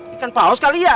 ikan paus kali ya